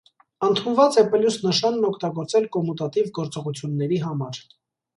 Ընդունված է պլյուս նշանն օգտագործել կոմուտատիվ գործողությունների համար։